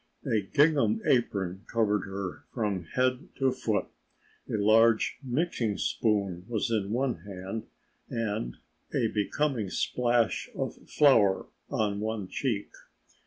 A gingham apron covered her from head to foot, a large mixing spoon was in one hand and a becoming splash of flour on one cheek.